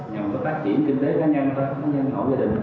nhằm có phát triển kinh tế của hội gia đình